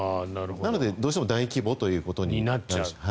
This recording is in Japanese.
だから、どうしても大規模ということになっちゃう。